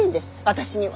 私には。